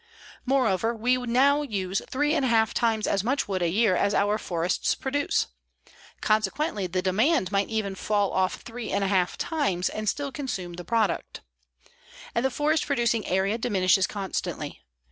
_ Moreover, we now use three and a half times as much wood a year as our forests produce. Consequently the demand might even fall off three and a half times and still consume the product. And the forest producing area diminishes constantly.